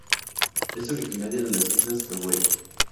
Es originaria de las islas Hawái.